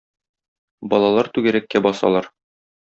Балалар түгәрәккә басалар.